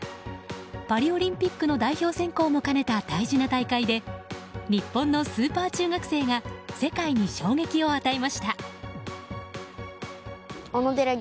パリオリンピックの代表選考も兼ねた大事な大会で日本のスーパー中学生が世界に衝撃を与えました。